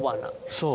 そう。